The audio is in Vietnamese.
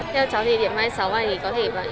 theo cháu thì điểm hai mươi sáu này có thể